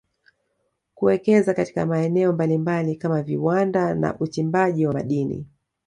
kuwekeza katika maeneo mbalimbali kama viwanda na uchimbaji wa madini